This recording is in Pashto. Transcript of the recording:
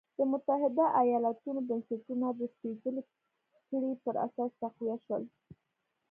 د متحده ایالتونو بنسټونه د سپېڅلې کړۍ پر اساس تقویه شول.